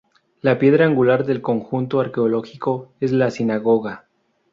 La piedra angular del conjunto arqueológico es la sinagoga.